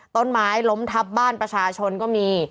ต้นไม้ล้มทับบ้านประชาชนก็มี